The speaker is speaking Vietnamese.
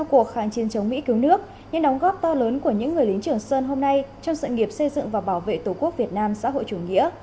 cuộc kháng chiến chống mỹ cứu nước những đóng góp to lớn của những người lính trường sơn hôm nay trong sự nghiệp xây dựng và bảo vệ tổ quốc việt nam xã hội chủ nghĩa